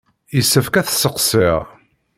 Yessefk ad t-sseqsiɣ.